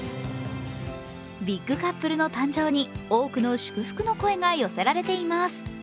ビッグカップルの誕生に多くの祝福の声が寄せられています。